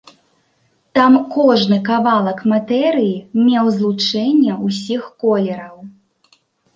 Там кожны кавалак матэрыі меў злучэнне ўсіх колераў.